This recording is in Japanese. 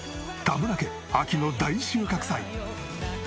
田村家秋の大収穫祭！